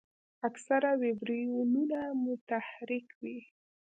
اکثره ویبریونونه متحرک وي.